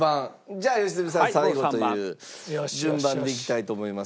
じゃあ良純さん最後という順番でいきたいと思います。